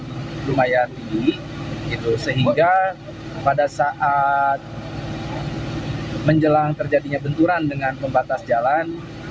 ini lumayan tinggi sehingga pada saat menjelang terjadinya benturan dengan pembatas jalan